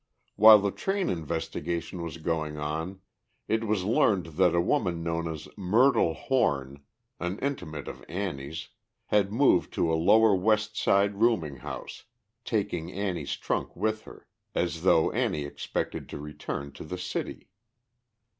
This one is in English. While the train investigation was going on, it was learned that a woman known as "Myrtle Horn," an intimate of Annie's, had moved to a lower West Side rooming house, taking Annie's trunk with her, as though Annie expected to return to the city.